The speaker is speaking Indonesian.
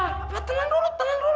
apa tendang dulu tendang dulu